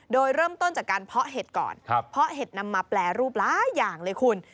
โดยเริ่มต้นจากการเพาะเห็ดก่อนเพราะเห็ดนำมาแปรรูปหลายอย่างเลยคุณ